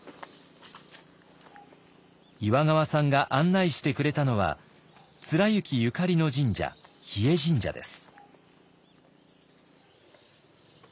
岩川さんが案内してくれたのは貫之ゆかりの神社日吉神社です。